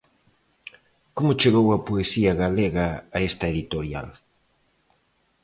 Como chegou a poesía galega a esta editorial?